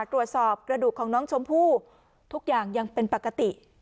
กระดูกของน้องชมพู่ทุกอย่างยังเป็นปกติ